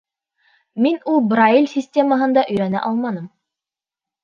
Мин ул Брайль системаһында өйрәнә алманым.